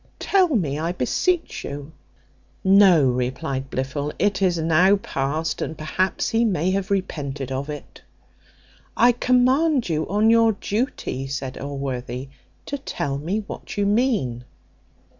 Tell me, I beseech you?" "No," replied Blifil; "it is now past, and perhaps he may have repented of it." "I command you, on your duty," said Allworthy, "to tell me what you mean."